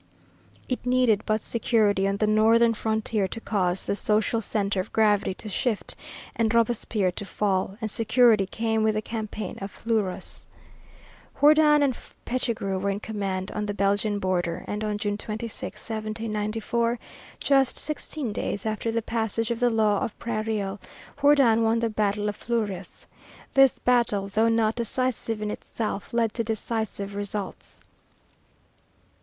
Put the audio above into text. It needed but security on the northern frontier to cause the social centre of gravity to shift and Robespierre to fall, and security came with the campaign of Fleurus. Jourdan and Pichegru were in command on the Belgian border, and on June 26, 1794, just sixteen days after the passage of the Law of Prairial, Jourdan won the battle of Fleurus. This battle, though not decisive in itself, led to decisive results.